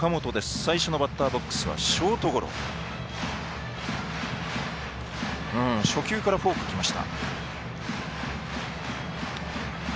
最初のバッターボックスはショートゴロ初球からフォークがきました。